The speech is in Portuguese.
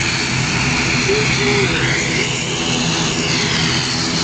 leitor de feed